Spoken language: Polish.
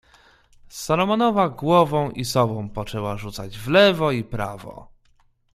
"Salomonowa głową i sobą poczęła rzucać w lewo i prawo."